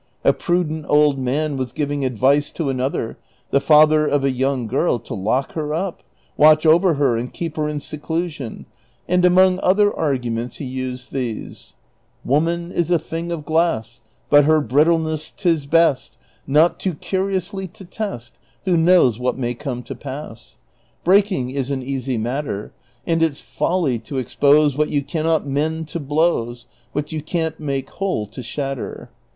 A prudent okl man was giving advice to another, the father of a young girl, to lock her up, watch'over her and keep her in seclusion, and among other aro^uments he used these : Woman is a thing of glass ; But her brittlene.s.s 't is best Not too curiously to test : Who knows what may come to pass? Breaking is an easy matter, And it 's folly to expose What you can not mend to blows ; What you can't make whole to shatter.